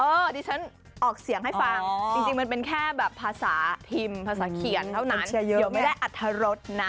เออทีนี้ฉันออกเสียงให้ฟังจริงมันเป็นแค่แบบภาษาพิมเพราะภาษาเขียนเท่านั้น